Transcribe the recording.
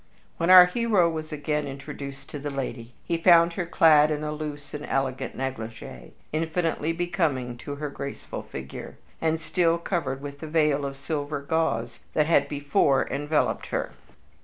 When our hero was again introduced to the lady he found her clad in a loose and elegant negligee, infinitely becoming to her graceful figure, and still covered with the veil of silver gauze that had before enveloped her.